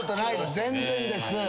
全然です。